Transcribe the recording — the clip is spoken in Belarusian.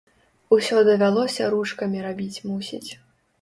Усё давялося ручкамі рабіць, мусіць.